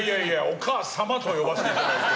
お母さまと呼ばせていただいて。